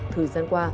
thời gian qua